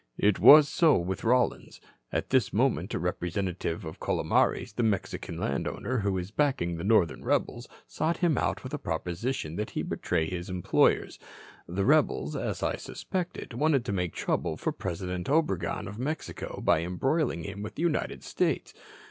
"It was so with Rollins. At this moment a representative of Calomares, the Mexican landowner who is backing the northern rebels, sought him out with a proposition that he betray his employers. The rebels, as I suspected, wanted to make trouble for President Obregon, of Mexico, by embroiling him with the United States.